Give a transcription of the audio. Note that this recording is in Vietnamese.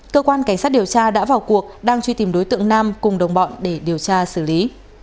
cơ quan cảnh sát điều tra đã vào cuộc đang truy tìm đối tượng nam cùng đồng bọn để điều tra xử lý